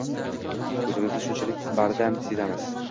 O'zimizni shunchalik bardam sezamiz.